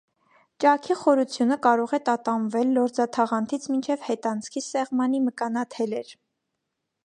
Ճաքի խորությունը կարող է տատանվել լորձաթաղանթից մինչև հետանցքի սեղմանի մկանաթելեր։